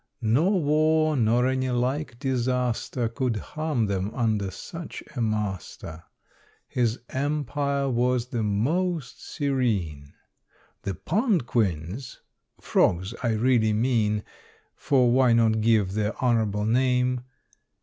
Nor war, nor any like disaster, Could harm them under such a master. His empire was the most serene! The pond queens (Frogs, I really mean: For why not give their honourable name?)